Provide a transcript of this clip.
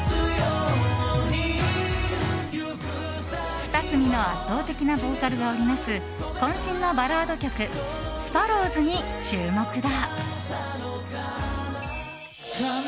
２組の圧倒的なボーカルが織りなす渾身のバラード曲「スパロウズ」に注目だ。